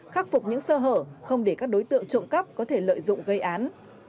khắc phục những sơ hở không để các đối tượng trộm cắp có thể lợi dụng gây án